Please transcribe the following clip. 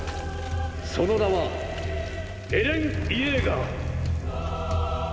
その名はエレン・イェーガー。